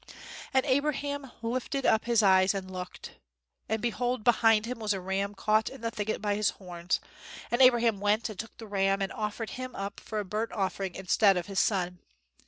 And Abraham lifted up his eyes and looked, and behold behind him was a ram caught in the thicket by his horns; and Abraham went and took the ram, and offered him up for a burnt offering instead of his son.